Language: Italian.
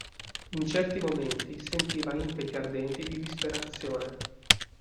In certi momenti sentiva impeti ardenti di disperazione.